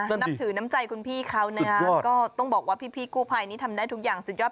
นับถือน้ำใจคุณพี่เขานะฮะก็ต้องบอกว่าพี่กู้ภัยนี่ทำได้ทุกอย่างสุดยอด